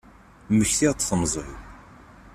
Mmektiɣ-d temẓi-w.